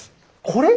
これ？